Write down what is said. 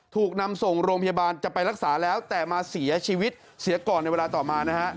ถูกนำส่งโรงพยาบาลจะไปรักษาแล้วแต่มาเสียชีวิตเสียก่อนในเวลาต่อมานะฮะ